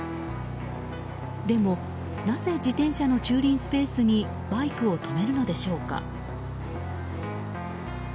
でも、なぜ自転車の駐輪スペースにバイクを止めるのでしょうか。